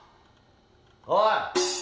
おい！